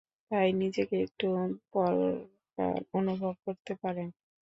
তাই নিজেকে একটু পলকা অনুভব করতে পারেন!